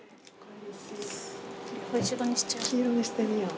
黄色にしてみよう。